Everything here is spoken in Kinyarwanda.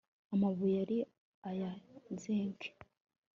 amabuye hari aya zenke